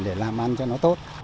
để làm ăn cho nó tốt